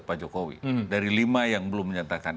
pak jokowi dari lima yang belum menyatakan